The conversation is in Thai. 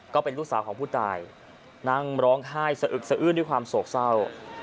ก็เป็นลูกสาวของผู้ตายนั่งร้องไห้สะอึกสะอื้นด้วยความโศกเศร้า